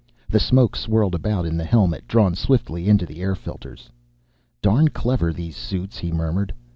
The smoke swirled about in the helmet, drawn swiftly into the air filters. "Darn clever, these suits," he murmured.